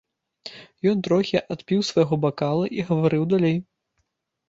Ён трохі адпіў з свайго бакала і гаварыў далей.